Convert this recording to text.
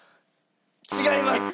違います！